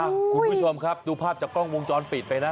คุณผู้ชมครับดูภาพจากกล้องวงจรปิดไปนะ